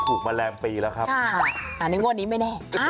นึกว่านี้ไม่แน่